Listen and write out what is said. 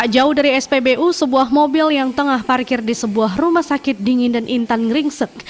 jauh dari spbu sebuah mobil yang tengah parkir di sebuah rumah sakit dingin dan intan ngeringsek